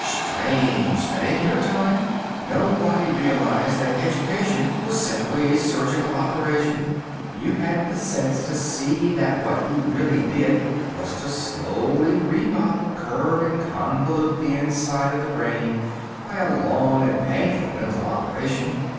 Strange that in your time nobody realised that education was simply a surgical operation. You hadn't the sense to see that what you really did was to slowly remodel, curve and convolute the inside of the brain by a long and painful mental operation.